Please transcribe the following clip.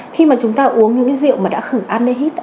khi mà chúng ta uống những rượu mà đã khử ăn để hít